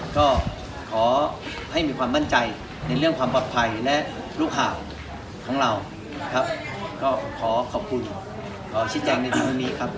ก็ขอให้มีความมั่นใจในเรื่องความปลอดภัยและรู้ข่าวของเราครับก็ขอขอบคุณขอชี้แจงในเรื่องนี้ครับ